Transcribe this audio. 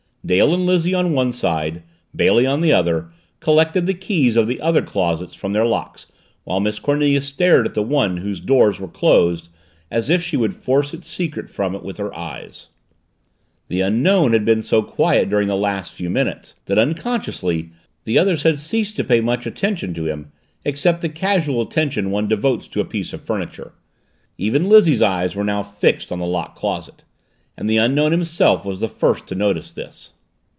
Dale and Lizzie on one side Bailey on the other collected the keys of the other closets from their locks while Miss Cornelia stared at the one whose doors were closed as if she would force its secret from it with her eyes. The Unknown had been so quiet during the last few minutes, that, unconsciously, the others had ceased to pay much attention to him, except the casual attention one devotes to a piece of furniture. Even Lizzie's eyes were now fixed on the locked closet. And the Unknown himself was the first to notice this.